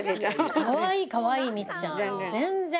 かわいいかわいいみっちゃん全然。